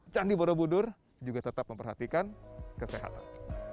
candi borobudur juga tetap memperhatikan kesehatan